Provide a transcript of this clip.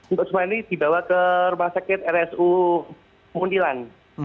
untuk sementara ini dibawa ke rumah sakit rsu mundilan